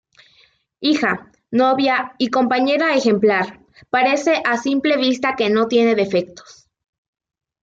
Hija, novia y compañera ejemplar, parece a simple vista que no tiene defectos.